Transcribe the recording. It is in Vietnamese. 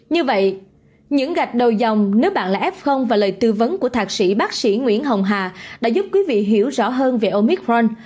như vậy những gạch đầu dòng nếu bạn là f và lời tư vấn của thạc sĩ bác sĩ nguyễn hồng hà đã giúp quý vị hiểu rõ hơn về omicron